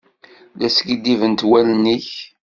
La skiddibent wallen-ik.